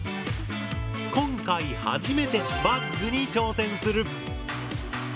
今回初めてバッグに挑戦する。